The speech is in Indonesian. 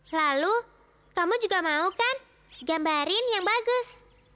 lalu kamu juga mau kan gambarin yang bagus